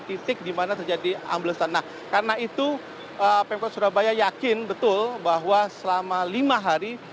titik di mana terjadi amblesan nah karena itu pemkot surabaya yakin betul bahwa selama lima hari